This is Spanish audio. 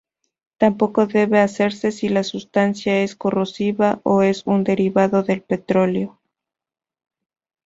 Tampoco debe hacerse si la sustancia es corrosiva o es un derivado del petróleo.